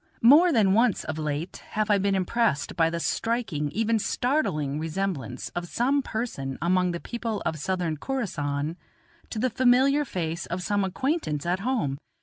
More than once of late have I been impressed by the striking, even startling, resemblance of some person among the people of Southern Khorassan, to the familiar face of some acquaintance at home.